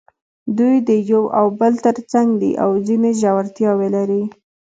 دوی د یو او بل تر څنګ دي او ځینې ژورتیاوې لري.